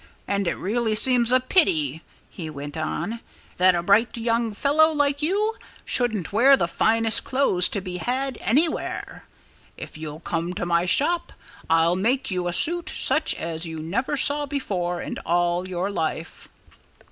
"And it really seems a pity," he went on, "that a bright young fellow like you shouldn't wear the finest clothes to be had anywhere. If you'll come to my shop I'll make you a suit such as you never saw before in all your life."